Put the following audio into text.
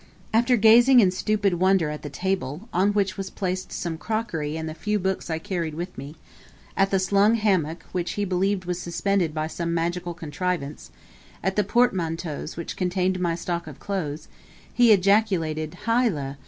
After gazing in stupid wonder at the table, on which was placed some crockery and the few books I carried with me; at the slung hammock, which he believed was suspended by some magical contrivance; at the portmanteaus which contained my stock of clothes, he ejaculated, "Hi le!